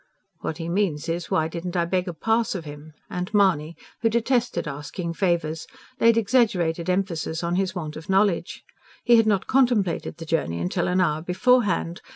("What he means is, why I didn't beg a pass of him.") And Mahony, who detested asking favours, laid exaggerated emphasis on his want of knowledge. He had not contemplated the journey till an hour beforehand.